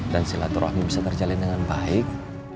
dan silaturahmi bisa terjalin dengan baik